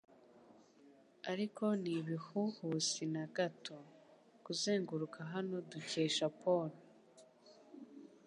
Ariko ntibihuhusi na gato ... kuzenguruka hano ... dukesha Paul.